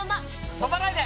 「飛ばないで！」